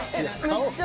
めっちゃ。